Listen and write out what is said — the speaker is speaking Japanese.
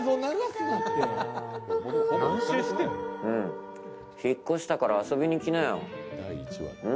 うん、引っ越したから遊びに来なよ。